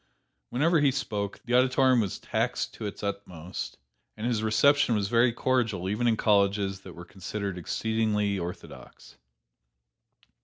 Whenever he spoke, the auditorium was taxed to its utmost, and his reception was very cordial, even in colleges that were considered exceedingly orthodox.